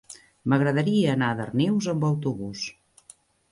M'agradaria anar a Darnius amb autobús.